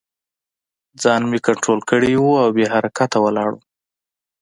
ځان مې کنترول کړی و او بې حرکته ولاړ وم